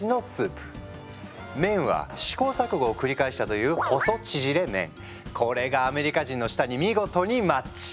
麺は試行錯誤を繰り返したというこれがアメリカ人の舌に見事にマッチ。